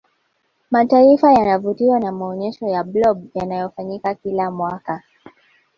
mataifa yanavutiwa na maonyesho ya blob yanayofanyika kila mwaka